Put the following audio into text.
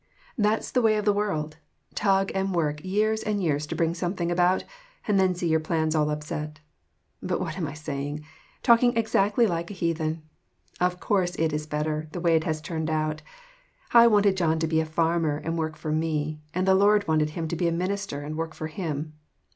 That's the way of the world ! Tug and work years and years to bring something about, and then see your plans all upset. But what am I saying? Talking exactly like a heathen. Of course it is better, the way it has turned out. I wanted John to be a farmer and work for me, and the Lord wanted him to be a minister and work for him.